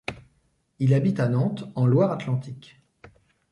Il habite à Nantes en Loire-Atlantique.